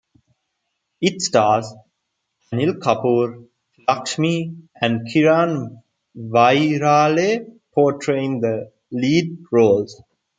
It stars Anil Kapoor, Lakshmi and Kiran Vairale portraying the lead roles.